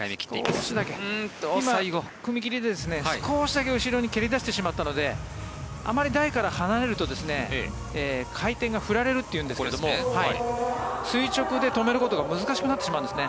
少し踏み切りで後ろに少しだけ蹴り出してしまったのであまり台から離れると回転が振られるというんですけど垂直で止めることが難しくなってしまうんですね。